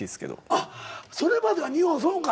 それまでは日本そうか。